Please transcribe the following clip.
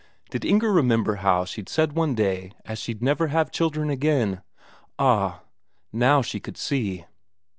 Did Inger remember how she'd said one day as she'd never have children again? Ah, now she could see!